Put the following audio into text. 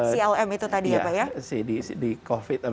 clm itu tadi ya pak ya